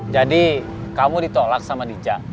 jadi kamu ditolak sama dija